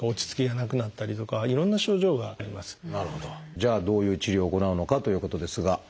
じゃあどういう治療を行うのかということですが。